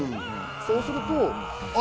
そうすると。